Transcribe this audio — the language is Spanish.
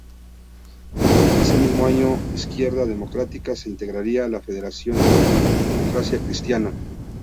Ese mismo año Izquierda Democrática se integraría en la Federación de la Democracia Cristiana.